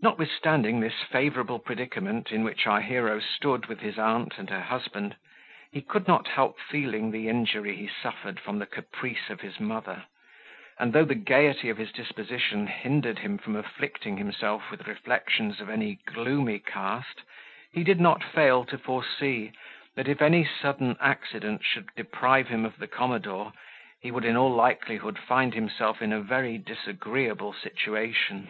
Notwithstanding this favourable predicament in which our hero stood with his aunt and her husband, he could not help feeling the injury he suffered from the caprice of his mother; and though the gaiety of his disposition hindered him from afflicting himself with reflections of any gloomy cast, he did not fail to foresee, that if any sudden accident should deprive him of the commodore, he would in all likelihood find himself in a very disagreeable situation.